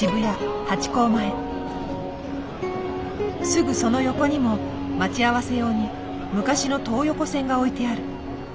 すぐその横にも待ち合わせ用に昔の東横線が置いてある。